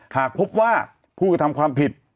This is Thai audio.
หากพบว่าผู้กระทำความผิด